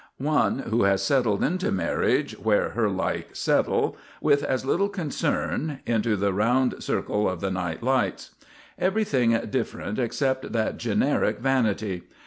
One who has settled into marriage where her like settle, with as little concern, into the round circle of the night lights. Everything different except that generic vanity.